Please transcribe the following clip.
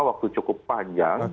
waktu cukup panjang